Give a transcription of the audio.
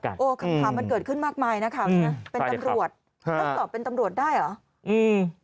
โอ้คำถามมันเกิดขึ้นมากมายนะคะเป็นตำรวจต้องสอบเป็นตำรวจได้เหรออืม